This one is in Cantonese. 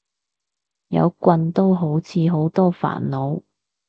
有棍都好似好多煩惱